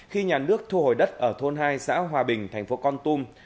khi nhà nước thu hồi đất ở thôn hai xã hòa bình thành phố con tum